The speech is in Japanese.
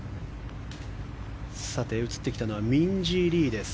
映ってきたのはミンジー・リーです。